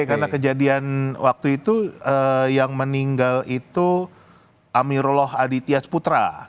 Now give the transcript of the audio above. karena kejadian waktu itu yang meninggal itu amiroloh aditya putra